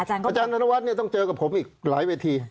อาจารย์ธนวัฒน์ต้องเจอกับผมอีกหลายเวที